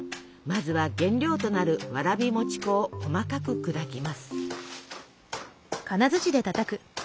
まずは原料となるわらび餅粉を細かく砕きます。